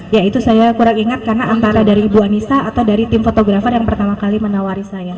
ya itu saya kurang ingat karena antara dari ibu anissa atau dari tim fotografer yang pertama kali menawari saya